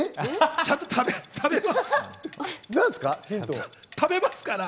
ちゃんと食べます。